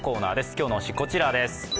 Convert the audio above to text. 今日の推し、こちらです。